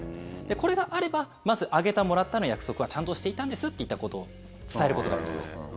これがあればまずあげた、もらったの約束はちゃんとしていたんですといったことを伝えることができます。